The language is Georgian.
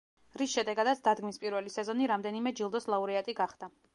რის შედეგადაც დადგმის პირველი სეზონი რამდენიმე ჯილდოს ლაურეატი გახდა.